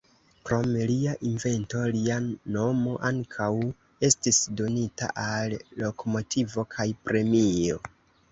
Krom lia invento, lia nomo ankaŭ estis donita al lokomotivo kaj premio.